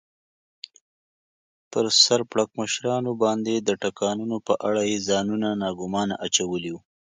پر سر پړکمشرانو باندې د ټکانونو په اړه یې ځانونه ناګومانه اچولي و.